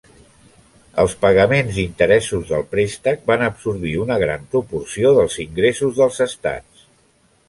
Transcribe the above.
Els pagaments d'interessos del préstec van absorbir una gran proporció dels ingressos dels estats.